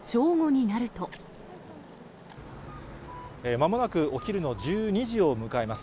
まもなくお昼の１２時を迎えます。